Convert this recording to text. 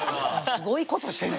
すごいことしてんねん。